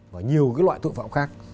và nhiều loại tội phạm khác